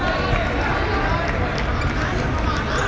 สวัสดีครับทุกคน